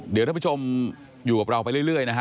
เดี๋ยวท่านผู้ชมอยู่กับเราไปเรื่อยนะฮะ